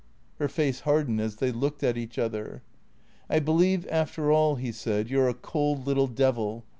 Her face hardened as they looked at each other. " I believe after all," he said, " you 're a cold little devil.